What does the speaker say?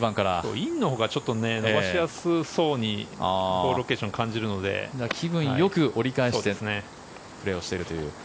インのほうが伸ばしやすそうにロケーション、感じるので気分よくプレーしているという。